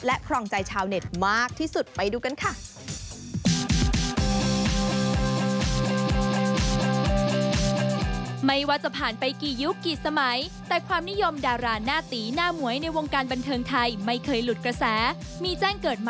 และครองใจชาวเน็ตมากที่สุด